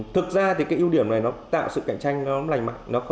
thực ra thì cái ưu điểm này nó tạo sự cạnh tranh nó lạnh mạnh